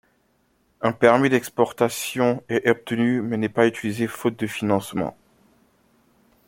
Un permis d'exportation est obtenu mais n'est pas utilisé faute de financement.